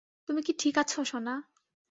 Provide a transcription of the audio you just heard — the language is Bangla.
তুমি কি ঠিক আছো, সোনা?